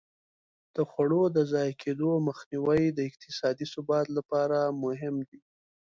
د خواړو د ضایع کېدو مخنیوی د اقتصادي ثبات لپاره مهم دی.